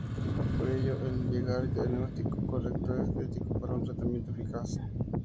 Por ello, el llegar al diagnóstico correcto es crítico para un tratamiento eficaz.